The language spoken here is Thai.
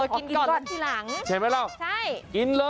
กินก่อนทีหล่างรึเปล่าเคยไหมลว